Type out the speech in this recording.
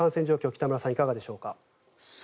北村さん、いかがでしょうか。